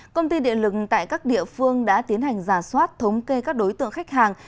công ty điện lực tại các địa phương đã tiến hành giả soát thống kê các đối tượng khách hàng